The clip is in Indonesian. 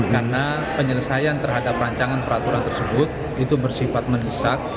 karena penyelesaian terhadap rancangan peraturan tersebut itu bersifat menyesat